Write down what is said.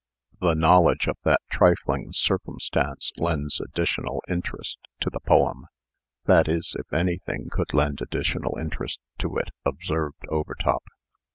The knowledge of that trifling circumstance lends additional interest to the poem." "That is, if anything could lend additional interest to it," observed Overtop.